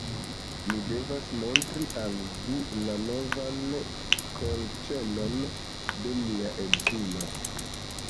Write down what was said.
Mi devas montri al vi la novan kolĉenon de mia edzino